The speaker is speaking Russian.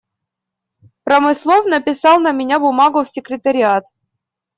Промыслов написал на меня бумагу в Секретариат.